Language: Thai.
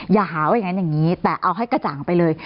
อย่าหาว่าอย่างนั้นอย่างนี้แต่เอาให้กระจ่างไปเลย